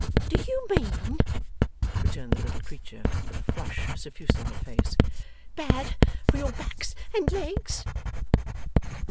'Do you mean,' returned the little creature, with a flush suffusing her face, 'bad for your backs and your legs?